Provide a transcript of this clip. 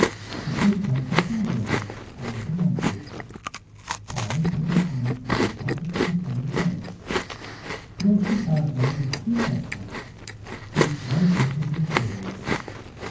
"Oh, here comes a hand organ and a little monkey!" Tiny put her hand in her pocket to find a penny, but all she found there were three chestnuts, each no bigger than a period.